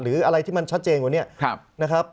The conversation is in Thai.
หรืออะไรที่มันชัดเจนกว่านี้นะครับ